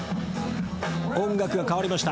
音楽が変わりました。